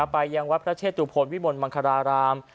ไปยังวัดพระเชตุพลวิมลมังคาราราม